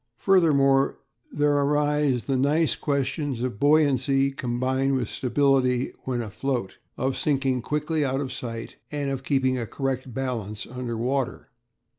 Furthermore, there arise the nice questions of buoyancy combined with stability when afloat, of sinking quickly out of sight, and of keeping a correct balance under water.